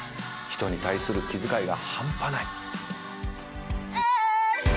人に対する気遣いが半端ない。